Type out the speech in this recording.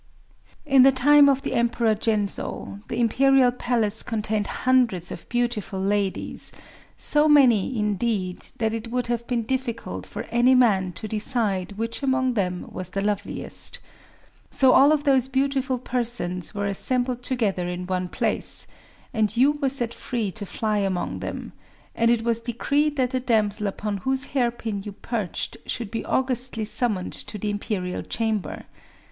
"In the time of the Emperor Gensō, the Imperial Palace contained hundreds and thousands of beautiful ladies,—so many, indeed, that it would have been difficult for any man to decide which among them was the loveliest. So all of those beautiful persons were assembled together in one place; and you were set free to fly among them; and it was decreed that the damsel upon whose hairpin you perched should be augustly summoned to the Imperial Chamber.